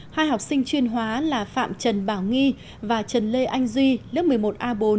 hai học sinh chuyên hóa là phạm trần bảo nghi và trần lê anh duy lớp một mươi một a bốn